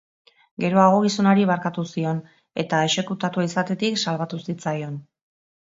Geroago gizonari barkatu zion eta exekutatua izatetik salbatu zitzaion.